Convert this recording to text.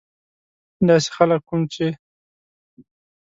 داسې خلک کوم چې.